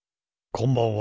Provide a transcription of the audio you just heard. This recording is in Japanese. こんばんは。